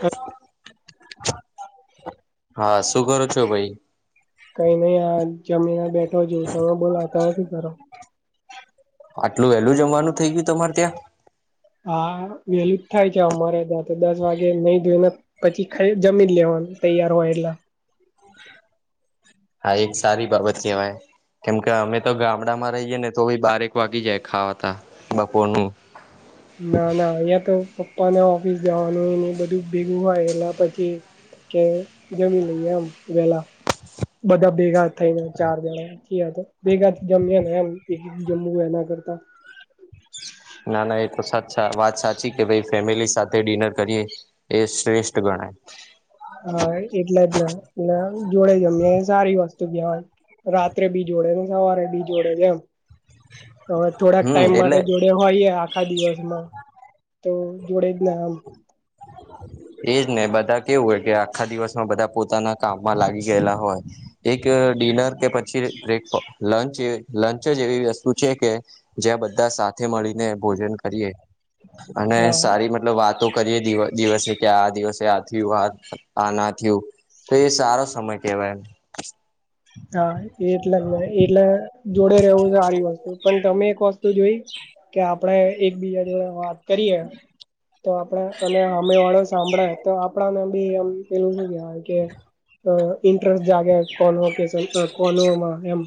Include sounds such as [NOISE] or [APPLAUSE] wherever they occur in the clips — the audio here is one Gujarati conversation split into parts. હલો હા શું કરો છો ભાઈ? કઈ નહી આ જમીને બેઠો છું તમે બોલો તમે શું કરો? આટલું વેલું જમવાનું થઇ ગયું તમારે ત્યાં હા વેલું જ થાય છે અમારે ત્યાં તો દસ વાગે નઈ ધોઈ ને પછી જમીન લેવાનું તૈયાર હોય એટલા હા એક સારી બાબત કવાય. કેમકે અમે તો ગામડામાં રહીએે ને તો ઈ બારેક વાગી જાય ખાવા તા બપોરનું ના ના અહિયાં તો પપ્પાને ઓફિસ જવાનું હોય નને બધું ભેગું હોય એટલા પછી. કે જમી લઈએ ઓમ વેલા બધા ભેઘા તઈન ચાર વખત કેયે [INAUDIBLE] [INAUDIBLE] ભેગા જમ્યા ને એમ એક એક જમ્મુ એના કરતા ના ના એ તો સાા વાત સાચી કે ભાઈ ફેમિલી સાથે તે ડિનર કરીએ એ શ્રેષ્ઠ ગણાય હા એટલા જ ને એ જોડે જમે સારી વાત તો કહેવાય રાત્રે બી જોડે સવારે બી જોડે એમ હવે થોડાક હમ ટાઈમ એટલે માટે જોડે હોઈએ આ આખા દિવસમાં તો જોડે જ ને આમ એજ ને બધા કેવું હોય કે આખા દિવસમાં બધા પોતાના કામમાં લાગી ગયેલા હોય. એક ડિનર કે પછી બ્રેક લંચ લંચ જ એવી વસ્તુ છે કે જ્યા બધા સાથે મળીને ભોજન કરીએ અને હા સારી વાતો કરીએ દિ દિવસે કે આ દિવસે આ થીવ આ આ ના થીવ. તો એ સારો સમય કેવાય એમ. તા એટલે એટલે જોડે રહેવું છે સારી વસ્તુ પણ તમે એક વસ્તુ જોઈ કે આપણે એકબીજા જોડે વાત કરીએ તો આપણે અને હામે વાળો સાંભળે તો આપણાને બી એમ પેલું શું કવાય કે અ ઇન્ટરેસ્ટ જાગે કોલો [INAUDIBLE] કે કોમાં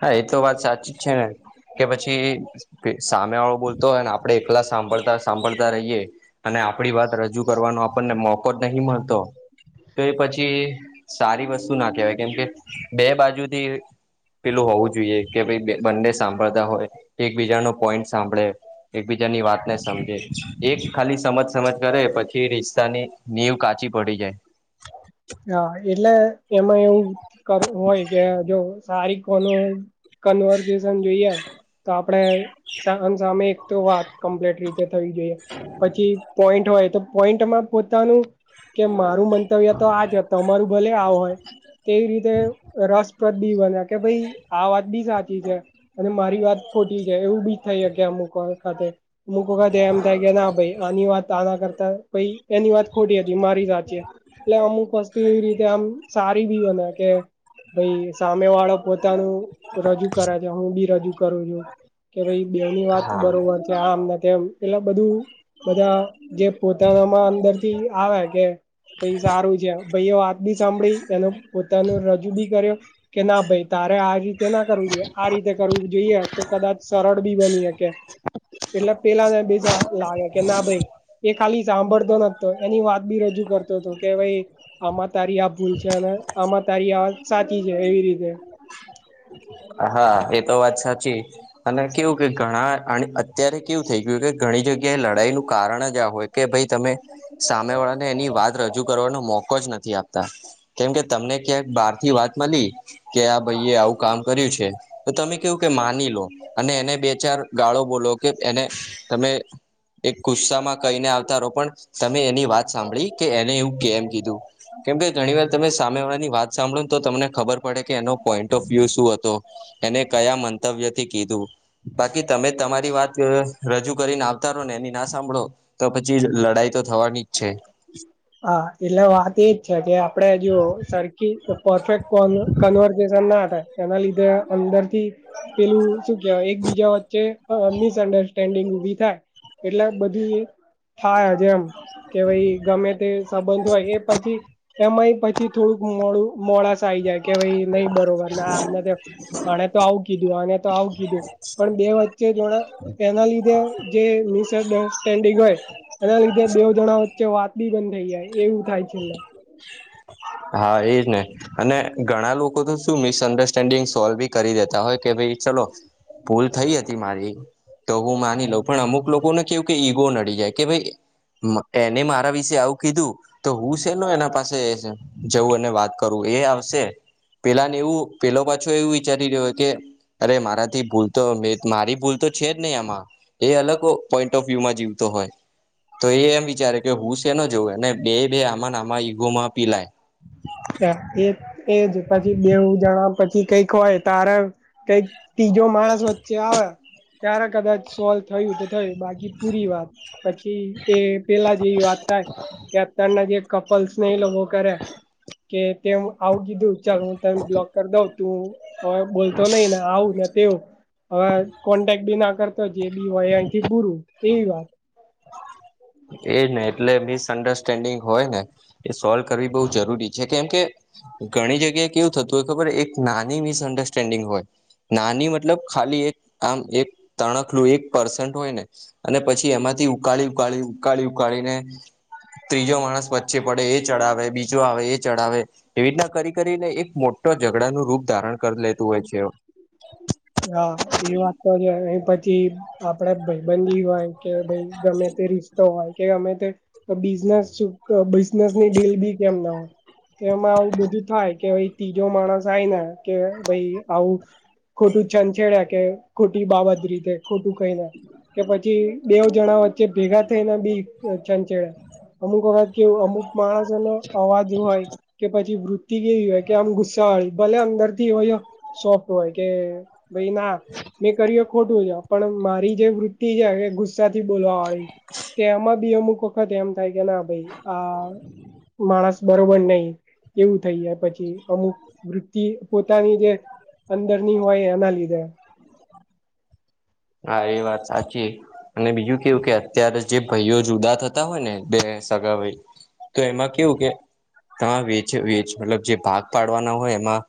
હા એ તો વાત સાચી જ છે ને કે પછી, કે સામે વાળો બોલતો હોય ને આપડે એકલા સાંભળતા સાંભળતા રહીયએ અને આપડી વાત રજૂ કરવાનો આપણને મોકો જ નહી મળતો તો એ પછી સારી વસ્તુ ના કહેવાય કેમ કે બે બાજુથી પેલું હોવું જોઈએ કે ભાઈ બંને સાંભળતા હોય. એકબીજા ન પોઈન્ટ સાંભળે એકબીજાની વાત ને સમજે એક ખાલી સમજ સમજ કરે પછી કે રિશ્તાની નીવ કાચી પડી જાય. હા! એટલે એમાં એવું કર હોય, કે જો હું સારી કોનો કન્વર્જેશન જોઈએ. તો આપણે સામ સામે એક તો વાત કમ્પ્લીટ રીતે થવી જોઈએ. પછી પોઈન્ટ હોય, તો પોઈન્ટમાં પોતાનું કે મારું મંતવ્ય, [UNINTELLIGIBLE] તમારું ભલે આ હોય, તેવી રીતે રસપ્રદ બી બને. કે ભઈ આ વાત બી સાચી છે, અને મારી વાત ખોટી છે એવું બી થઈ હકે અમુક વખતે. અમુક વખતે એમ થાય કે, ના ભાઈ આની વાત આના કરતા પહી એની વાત ખોટી હતી મારી સાચી હે. એટલે અમુક વસ્તુ એવી રીતે આમ સારી બી બને કે ભઈ સામે વાળો પોતાનું રજૂ કરે છે, હું બી રજૂ કરું છું. કે ભઈ બેઉં ની વાત હા બરોબર છે, આમને તેમ. પેલા બધું બધા જે પોતાનામાં અંદર થી આવે, કે ભઈ સારું છે. ભઈ એ વાત બી સાંભળી, એનો પોતાનો રજૂ બી કર્યો કે ના ભાઈ તારે આ રીતે ના કરવું જોઈએ, આ રીતે કરવું જોઈએ તો કદાચ સરળ બી બની હકે. એટલે પેલા ને બીજા લાગે, કે ના ભઈ એ ખાલી સાંભળતો નતો, એની વાત બી રજૂ કર તો તો, કે ભઈ આમાં તારી આ ભૂલ છે હવે, આમાં તારી વાત સાચી છે, એવી રીતે. હા. એ તો વાત સાચી. અને કેવું કે ઘણા અન અને અત્યારે કેવું થઇ ગયું, કે ઘણી જગ્યા એ લડાઈ નું કારણ જ આ હોય કે ભઈ તમે સામે વાળાને એની વાત રજૂ કરવાનો મોકો જ નથી આપતા. કેમકે તમને ક્યાંક બહાર થી વાત મલી, કે આ ભાઈ એ આવું કામ કર્યું છે, તો તમે કેવું કે માની લો અને એને બે ચાર ગાળો બોલો, કે એને તમે એક ગુસ્સામાં કહીને આવતા રહો પણ તમે એની વાત સાંભળી, કે એને એવું કેમ કીધું? કેમ કે ઘણી વાર તમે સામેવાળાની વાત સાંભળો તો તમને ખબર પડે, કે એનો પોઈન્ટ ઓફ વ્યુ શું હત તો? એને કયાં મંતવ્ય થી કીધું? બાકી તમે તમારી વાત રજૂ કરીને આવતા રહો, ને એની ના સાંભળો તો પછી લડાઈ તો થવાની જ છે. હા એટલે વાત એજ છે, કે આપડે જો સરખી પરફેક્ટ કન કન્વર્જેસન ના થાય એના લીધે અંદર થી પેલું શું કહેવાય એક બીજા વચ્ચે અહ મિસ અન્ડરસ્ટેન્ડિંગ ઉભી થાય. એટલે આ બધુંય [UNINTELLIGIBLE] [UNINTELLIGIBLE] જેમ કે ભઈ ગમે તે સંબંધ હોય એ પછી એમાંય પછી થોડુંક મોડું મોડાસ આવી જાય, કે ભાઈ નહીં બરોબર ને આમને તેમ. આણે તો આવું કીધું, આને તો આવું કીધું. પણ બે વચ્ચે જોણા એના લીધે જે મિસઅંડરસ્ટેન્ડિગ હોય એના લીધે બેવું જણા વચ્ચે વાત બી બંધ થઈ જાય, એવું થાય છે. હા એજ ને. અને ઘણા લોકો તો શું મિસઅન્ડરસ્ટેન્ડિંગ સોલ્વ બી કરી દેતા હોય, કે ભઈ ચલો, ભૂલ થઈ હતી મારી તો હું માની લઉં. પણ અમુક લોકોને કેવું કે ઈગો નડી જાય, કે ભઈ એને મારા વિશે આવું કીધું તો હું શેનો એના પાસે જવું અને વાત કરું? એ આવશે. પેલા ને એવું પેલો પાછો એવું વિચારી રહ્યો હોય, કે અરે મારાથી ભૂલ તો, મે મારી ભૂલ તો છે જ નહીં આમાં. એ અલગ પોઈન્ટ ઓફ વ્યુમાં જીવતો હોય, તો એ એમ વિચારે કે હું શેનો જવું, અને બેઈ એ બેઈ આમાં ના આમાં ઈગોમાં પીલાય. [UNINTELLIGIBLE] એજ-એજ. પછી બેઉં જણા પછી કંઈક હોય ત્યારે કંઈક તીજો માણસ વચ્ચે આવે ત્યારે કદાચ સોલ્વ થયું તો થયું બાકી પૂરી વાત. પછી એ પેલા જેવી વાત થાય, કેપ્ટન ના જે કપલ્સને એ લોકોો કરે. કે તેમ આવું કીધું ચ બ્લોક કરી દઉ તું હવે બોલતો નહી ને આવું ને તેવ, હવે કોન્ટેક્ટ બી ના કરતો જે બી હોય અહીંથી બુરું એવી વાત. એજ ને એટલે મિસઅન્ડરસ્ટેન્ડિંગ હોય ને. એ સોલ્વ કરવી બઉુ જરૂરી છે કેમ કે ઘણી જગ્યાએ કેવું થતું હોય ખબર એક નાની મિસઅન્ડરસ્ટેન્ડિંગ હોય. નાની મતલબ ખાલી એક આમ એક તણકલું એક પર્સન્ટ હોય ને, અને પછી એમાંથી ઉકાળી ઉકાળી ઉકાળી ઉકાળીને. ત્રીજો માણસ વચ્ચે પડે એ ચડાવે બીજો આવે એ ચડાવે. એવી રીતના કરી કરીને એક મોટા ઝઘડા નું રૂપ ધારણ કરી લેતું હોય છે. હા એ વાત તો છે પછી આપડા ભાઈબંધજીી હોય કે ભાઈ ગમે તે રિશતો હોય કે ગમે તે બિઝનેસ બિઝનેસની ડીલ બી કેમ ના હોય. તો એમાં આવું બધું થાય કે ભાઈ ત્રીજો માણસ આય ને કે ભાઈ આવું ખોટું છંછેડ્યા કે ખોટી બાબત રીતે ખોટું કઈ ના. કે પછી બેવ જણા વચ્ચે ભેગા થઈને બી છંચેડા. અમુક વખત કેવું અમુક માણસોનો અવાજ હોય કે પછી વૃ કેવી હોય કે આમ ગુસ્સાળી ભલે અંદર થી હોય સોફ્ટ હોય કે ભાઈ ના મેં કર ખોટું છે પણ મારી જે વૃત્તિ છે. થી બોલવા વાળી, તેમાં બી અમુક વખત એમ થાય કે ના ભાઈ આ માણસ બરોબર નહી, એવું થઈ જાય પછી. અમુક વૃતિ પોતાની જે અંદરની હોય એના લીધે. હા એ વાત સાચી અને બીજું કેવું કે અત્યારે જે ભાઈઓ જુદા થતા હોય ને બે સગા ભાઈ, તો એમાં કેવું કે તમામે વેચ વેચ મતલબ જે ભાગ પાડવાના હોય એમાં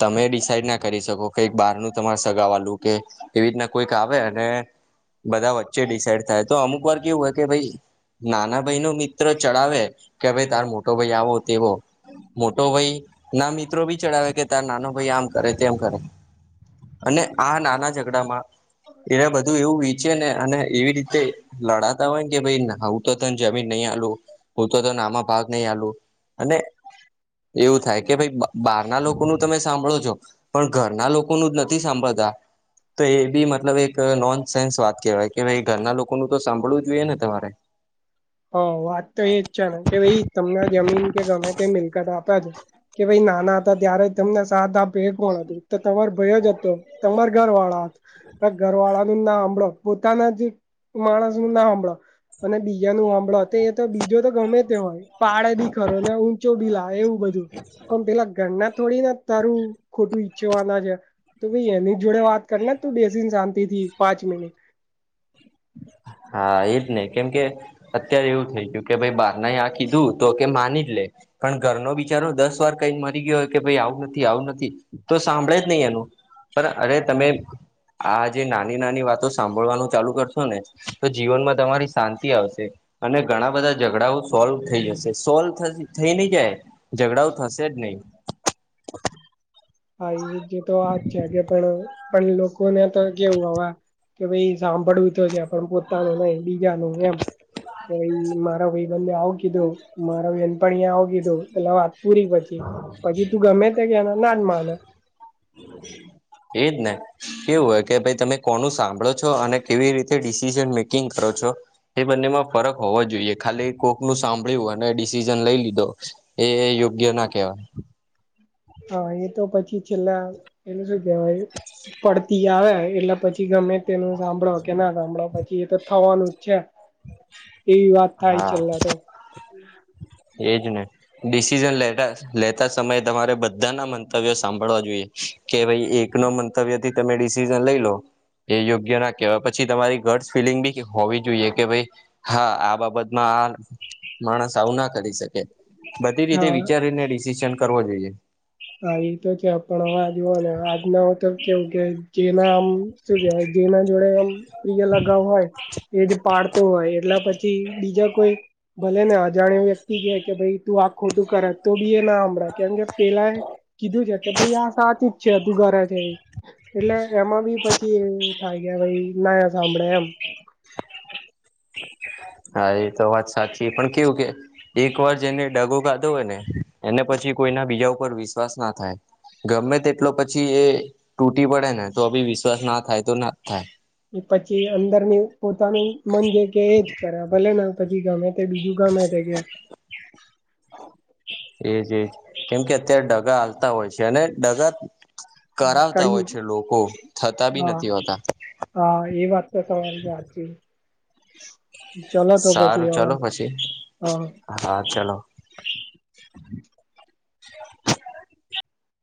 તમે ડિસાઈડ ના કરી શકો કેઈ બાર નું તમારે સગાવા લું કે એવી રીતના કોઈક આવે અને, બધા વચ્ચે ડિસઇડ થાય તો અમુક વાર કેવું હોય કે ભાઈ નાના ભાઈ નો મિત્ર ચડાવે કે ભાઈ તાર મોટો ભાઈ આવો તેવો. મોટો ભાઈ ના મિત્રો બી ચડાવે કે તાર નાનો ભાઈ આમ કરે તેમ કરે. અને આ નાના ઝઘડા માં એ બધું એવું વિચે ને અને એવી રીતે લડાતા હોય ને કે ભાઈ હું તો તને જમીન નહી આલું, હું તો તને આમાં ભાગ નહી આલુ. અને, એવું થાય કે ભાઈ બહારના લોકોનું તમે સાંભળો છો. પણ ઘરના લોકોનું જ નથી સાંભળતા. તો એ બી મતલબ એક નોન સેન્સ વાત કેહેવાય કે ભાઈ ઘરના લોકોનું તો સાંભળવું જોઈએ ને તમારે. હ વાત તો એ જ છે ને કે ભાઈ તમને જમીન કે ગમે તે મિલકત આપે છે. કે ભાઈ નાના હતા ત્યારે તમને સાતા ભેટ મળું તમાર ભયો જ હતો, તમારા ઘર વાળા હતો, ઘર વાળા ના સાંભળો પોતાના જ માણસ નું ના સાંભળો, અને બીજા નું સાંભળ એ તો બીજો તો ગમે તે હોય પાડે બી ખરો ને ઊંચો બી લ એવું બધું. પણ પેલા ગણના થોડી ના તારું ખોટું ઈચ્છવાના છે તો ભાઈ એની જોડે વાત કરીને તો બેસીને શાંતિથી પાંચ મિનિટ. હા એજ નઈ કેમ કે અત્યારે એવું થઈ ગયું કે ભાઈ બારના એ આ કીધું તો કે માની જ લે. પણ ઘરનો બિચારો દસ વાર કઈ મરી ગયો હો કે ભાઈ આવું નથી આવું નથી. તો સાંભળે જ નહી એનું, પણ અરે તમે આ જે નાની નાની વાતો સાંભળવાનું ચાલુ કરશો ને તો જીવનમાં તમારી શાંતિ આવશે અને ઘણા બધા ઝઘડાઓ સોલ્વ થઈ જશે, સોલ્વ થસ થઈ નહી જાય ઝઘડાઓ થશે જ નહી. હા એ જે તો વાજ છે કે, પેલો કોને તો કેવું હવે કે ભાઈ સાંભળવુ તો છે, પણ પો તાનો નહી બીજા નુ એમ, કે ભાઈ મારા ભાઈ બંન ને આવ કીધું દો, મારા બેનપણી એ આવ કીધું, એટલે વાત પૂરી પછી, પછી તું ગમે તે કેને નાજ માને એજ ને કેવું હોય કે ભાઈ તમે કોનું સાંભળો છો અને કેવી રીતે ડિસિશન મેકિંગ કરો છો એ બંનેમાં ફરક હોવો જોઈએ, ખાલી કોર્ક નું સાંભળ્યું અને ડિસિઝન લઈ લીધો એ યોગ્ય ના કહેવાય. હા એ તો પછી છેલ્લા એને શું કેહેવાય પડતી આવે એટલે પછી ગમે તેનું સાંભળો કે ના સાંભળો પછી એ તો થવાનુંજ છે. એવી વાત થાય હા છેલ્લા તો. એજ ને. ડિસિઝન લે લેતા સમયે તમારે બધાના મંતવ્યો સાંભળવા જોઈએ. કે ભાઈ એક નો મંતવ્ય થી તમે ડિસિઝન લઈ લો. એ યોગ્ય ના કહેવાય, પછી તમારી ગટ્સ ફીલિંગ બી કે હોવી જોઈએ કે ભાઈ હા આ બાબતમાં આ માણસ આવુ નાખ કરી શકે, બધી રીતે હા વિચારીને ડિસિશન કરવો જોઈએ. હા એ તો છે, પણ હવે આ જુઓ ને આજ ના તો કેવું કે જેના આમ શું કેવાય જેના જોડે આમ પ્રિય લગાવ હોય એજ પાર કુ હોય, એટલા પછી બીજા કોઈ ભલે ને અજાણ્યું વ્યક્તિ કે, કે ભાઈ તું આ ખોટું કરે તો બી એ ના હમદાયે કેમકે પેલા એ કીધું છે, કે ભાઈ આ સાચુજ છે, તું ઘરે જઇ એટલે એમાં બી પછી એ થાય, કે ભાઈ ના સાંભળે એમ. હા એ તો વાત સાચી પણ કેવું કે એક વાર જેને ડગો કાધો હોય ને, એને પછી કોઈના બીજા ઉપર વિશ્વાસ ના થાય. ગમે તેટલો પછી એ તૂટી પડે ને, તો અી વિશ્વાસ ના થાય તો ના જ થાય. એ પછી અંદર ની પોતાનું મન જે કે એજ કરે, ભલે ને પછી ગમેતે બીજું ગમે તે કે એજ એજ કેમ કે અત્યારે ડગા આલતા હોય છે, અને ડગા કરાવતા કર્યું હોય છે લોકો, થતા બી હા નથી હોતા. હા એ વાત તો તમારી વાચી ચલો તો પછી સારું હવે, ચલો પછી હા હા ચાલો [INAUDIBLE]